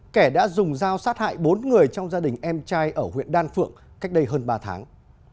kẻ đã dùng dao sát hại bốn người trong gia đình em trai ở huyện đan phượng cách đây hơn ba tháng